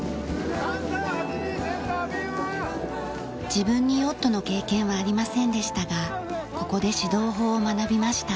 自分にヨットの経験はありませんでしたがここで指導法を学びました。